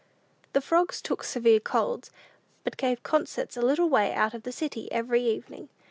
The frogs took severe colds, but gave concerts a little way out of the city every evening.